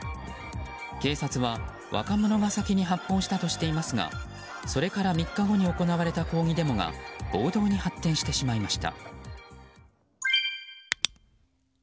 警察は若者が先に発砲したとしていますがそれから３日後に行われた抗議デモが暴動に発展してしまいました。